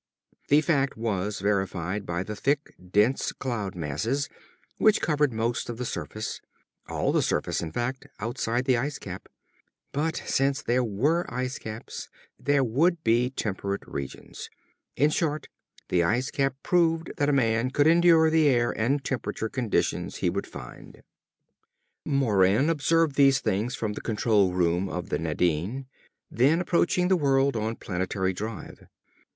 The fact was verified by the thick, dense cloud masses which covered most of the surface, all the surface, in fact, outside the ice cap. But since there were ice caps there would be temperate regions. In short, the ice cap proved that a man could endure the air and temperature conditions he would find. Moran observed these things from the control room of the Nadine, then approaching the world on planetary drive.